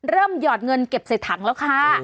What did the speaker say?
หยอดเงินเก็บใส่ถังแล้วค่ะ